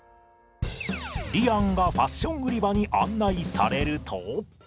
りあんがファッション売り場に案内されると。